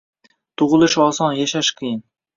Tug’ilish oson, yashash qiyin.